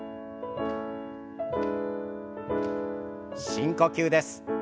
深呼吸です。